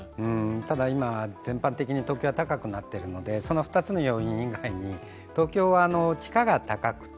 ただ今、全般的に東京は高くなっているのでその２つの要因以外に、東京は地価が高くて